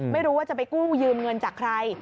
ไม่รู้ว่าจะไปกู้ยืมเงินจากใคร